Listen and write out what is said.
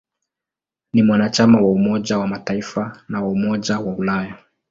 Ni mwanachama wa Umoja wa Mataifa na wa Umoja wa Ulaya.